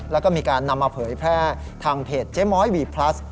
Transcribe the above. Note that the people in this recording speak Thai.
แล้วก็มีการนำมาเผยแพร่ทางเพจเจ๊ม้อยวีพลัส